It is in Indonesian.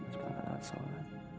terus pernah perlahan salat